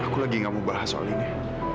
aku lagi gak mau bahas soal ini